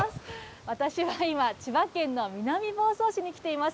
私は今、千葉県の南房総市に来ています。